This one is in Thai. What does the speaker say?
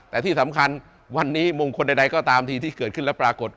แต่ที่สำคัญวันนี้มงคลใดก็ตามทีที่เกิดขึ้นแล้วปรากฏ